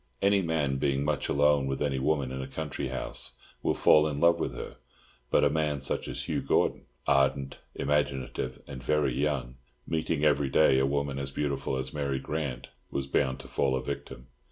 Any man, being much alone with any woman in a country house, will fall in love with her; but a man such as Hugh Gordon, ardent, imaginative, and very young, meeting every day a woman as beautiful as Mary Grant, was bound to fall a victim.